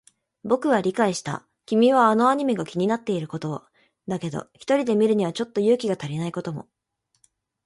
僕は理解した。君はあのアニメが気になっていることを。だけど、一人で見るにはちょっと勇気が足りないことも。